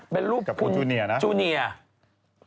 เป็นรูปคุณชูเนียร์